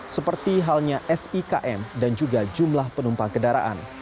seperti halnya sikm dan juga jumlah penumpang kendaraan